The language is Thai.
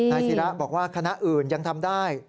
นายศิรัทย์บอกว่าคณะอื่นยังทำได้